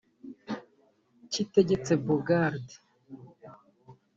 Cyitegetse Bogarde